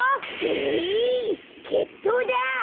えいけっとうだ！